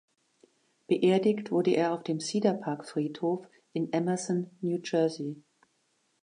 Beerdigt wurde er auf dem Cedar Park Friedhof in Emerson, New Jersey.